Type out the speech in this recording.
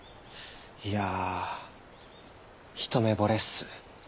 いや一目惚れっす。